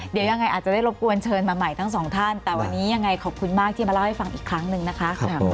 เดี๋ยวยังไงอาจจะได้รบกวนเชิญมาใหม่ทั้งสองท่านแต่วันนี้ยังไงขอบคุณมากที่มาเล่าให้ฟังอีกครั้งหนึ่งนะคะ